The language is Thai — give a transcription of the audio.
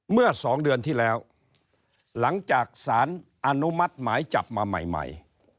เมื่อสองเดือนที่แล้วหลังจากสารอนุมัติหมายจับมาใหม่ใหม่